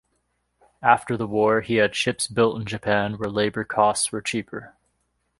After the war, he had ships built in Japan, where labor costs were cheaper.